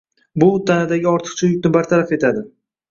Bu, tanadagi ortiqcha yukni bartaraf etadi